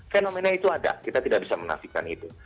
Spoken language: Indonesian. fenomena itu ada kita tidak bisa menafikan itu